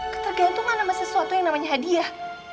ketergantungan sama sesuatu yang namanya hadiah